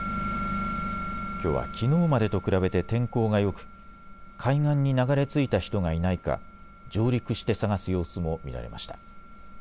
きょうはきのうまでと比べて天候がよく海岸に流れ着いた人がいないか上陸して捜す様子も見られました。